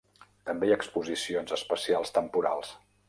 També hi ha exposicions especials temporals.